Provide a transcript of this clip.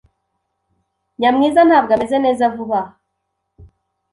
Nyamwiza ntabwo ameze neza vuba aha.